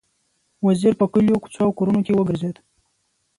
وزیر په کلیو، کوڅو او کورونو کې وګرځېد.